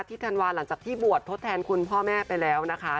เที่ยวธรรมานาจจากที่บวชทธแทนคุณพ่อแม่ไปแล้วนะคะ